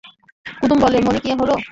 কুমুদ বলে, মানে কী হল?